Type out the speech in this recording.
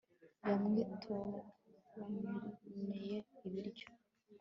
yamwitohabimanabeye ibiryo